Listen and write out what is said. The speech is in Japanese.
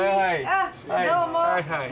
あっどうも。